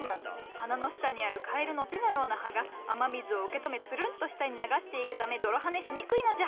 花の下にあるカエルの手のような葉が雨水を受けとめつるんと下に流していくため泥はねしにくいのじゃ。